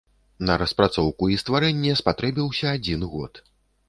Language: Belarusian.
На распрацоўку і стварэнне спатрэбіўся адзін год.